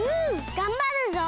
がんばるぞ！